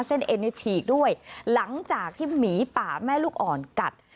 เส้นเอ็นเตียดด้วยหลังจากที่หมีป่าแม่ลูกอ่อนกัด